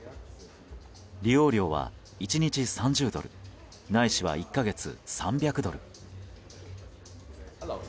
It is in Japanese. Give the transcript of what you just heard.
利用料は１日３０ドルないしは１か月３００ドル。